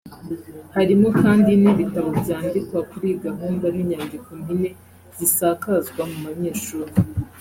Harimo kandi n’ibitabo byandikwa kuri iyi gahunda n’inyandiko mpine zisakazwa mu banyeshuri